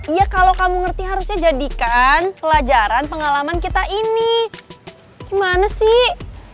iya kalau kamu ngerti harusnya jadikan pelajaran pengalaman kita ini gimana sih